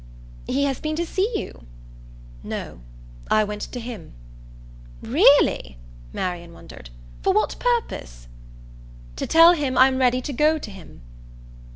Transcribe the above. "He has been to see you?" "No, I went to him." "Really?" Marian wondered. "For what purpose?" "To tell him I'm ready to go to him."